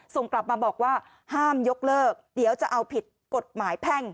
ส่งกลับมาบอกว่าห้ามยกเลิกเดี๋ยวจะเอาผิดกฎหมายแพ่ง